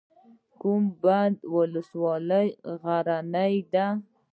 کوه بند ولسوالۍ غرنۍ ده؟